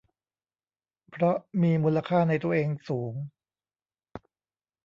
เพราะมีมูลค่าในตัวเองสูง